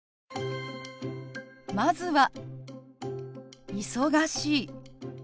まずは「忙しい」。